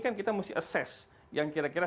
kan kita mesti assess yang kira kira